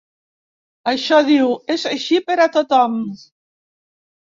Això, diu, és així per a tothom.